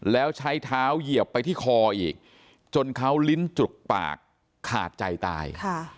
แล้วใช้เท้าเหยียบไปที่คออีกจนเขาลิ้นจุกปากขาดใจตาย